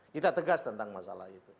kita tegas tentang masalah itu